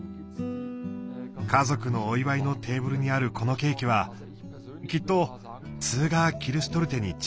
家族のお祝いのテーブルにあるこのケーキはきっとツーガー・キルシュトルテに違いない！